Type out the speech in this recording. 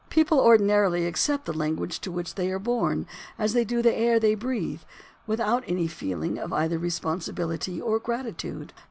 People ordinarily accept the language to which they are born as they do the air they breathe, without any feeling of either responsibility or grati tude.